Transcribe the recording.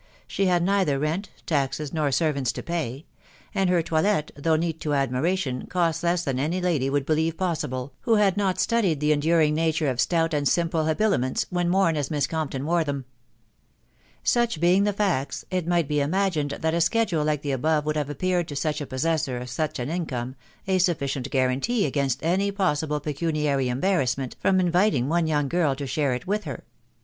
... She had neither rent, taxes, nor servants, to pay ; and her toilet, though neat to admiration, cost less than any lady would believe pos sible, who had not studied the enduring nature of stout and simple habiliments, when worn as Miss Compton wore them. Such being the facts, it might be imagined that a schedule like the above would have appeared to such a possessor of such an income a sufficient guarantee against any possible pecuniary embarrassment from inviting one young girl to share it with her.